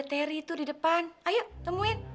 teri itu di depan ayo temuin